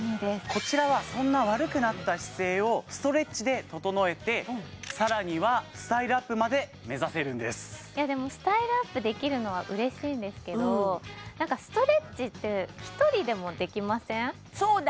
こちらはそんな悪くなった姿勢をストレッチで整えてさらにはスタイルアップまで目指せるんですスタイルアップできるのは嬉しいんですけどなんかそうだ！